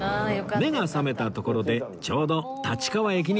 目が覚めたところでちょうど立川駅に到着しました